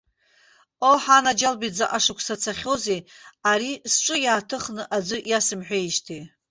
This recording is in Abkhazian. Оҳ, анаџьалбеит, заҟа шықәса цахьоузеи ари сҿы иааҭыхны аӡәы иасымҳәеижьҭеи.